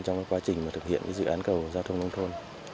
trong quá trình thực hiện dự án cầu giao thông nông thôn